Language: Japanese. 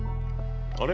あれ？